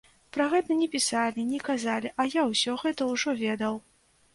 Пра гэта не пісалі, не казалі, а я ўсё гэта ўжо ведаў.